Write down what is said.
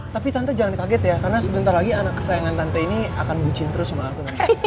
tapi tante jangan kaget ya karena sebentar lagi anak kesayangan tante ini akan bucin terus sama aku nanti